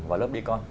vào lớp đi con